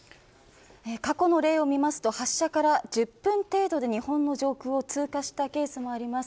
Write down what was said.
過去の例を見ますと、発射から１０分程度で日本の上空を通過したケースもあります。